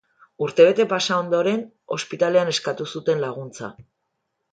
Urtebete pasa ondoren ospitalean eskatu zuten laguntza.